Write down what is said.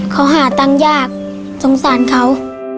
เขาหาตังค์ยากสงสารเขา